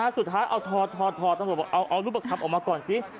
สุดท้ายถอดตำรวจเอารูปกรับออกมาก่อนสิ